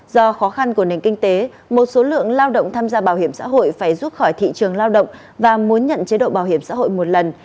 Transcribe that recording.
do khó khăn của nền kinh tế một số lượng lao động tham gia bảo hiểm xã hội phải rút khỏi thị trường lao động và muốn nhận chế độ bảo hiểm xã hội một lần